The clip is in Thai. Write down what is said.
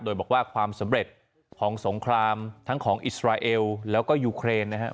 โดยบอกว่าความสำเร็จของสงครามทั้งของอิสราเอลแล้วก็ยูเครนนะครับ